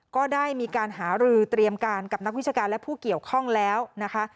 ก็ได้มีการหารือเตรียมการกับนักวิชาการและผู้เกี่ยวข้องแล้วนะคะ